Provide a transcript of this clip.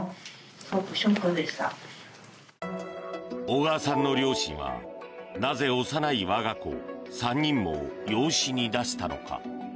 小川さんの両親はなぜ幼い我が子を３人も養子に出したのか。